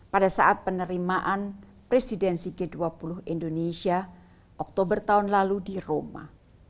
pada saat penerimaan presidensi g dua puluh indonesia oktober tahun lalu di roma